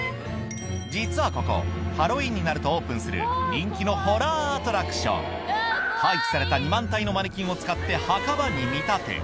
実はここハロウィーンになるとオープンする人気のホラーアトラクション廃棄された２万体のマネキンを使って墓場に見立て